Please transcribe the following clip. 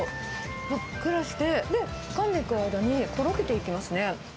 ふっくらして、で、かんでいく間にとろけていきますね。